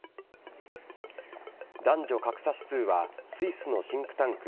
男女格差指数はスイスのシンクタンク